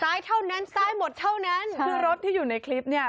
เท่านั้นซ้ายหมดเท่านั้นคือรถที่อยู่ในคลิปเนี่ย